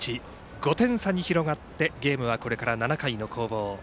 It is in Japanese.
５点差に広がってゲームはこれから７回の攻防。